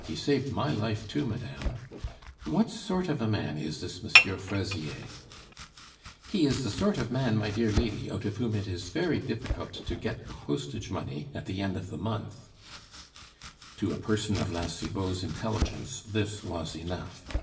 "He saved my life, too, madame. What sort of a man is this M. Fraisier?" "He is the sort of man, my dear lady, out of whom it is very difficult to get the postage money at the end of the month." To a person of La Cibot's intelligence this was enough.